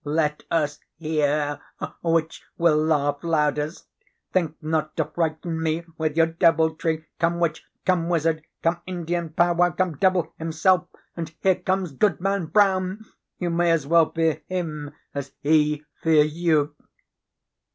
"Let us hear which will laugh loudest. Think not to frighten me with your deviltry. Come witch, come wizard, come Indian powwow, come devil himself, and here comes Goodman Brown. You may as well fear him as he fear you."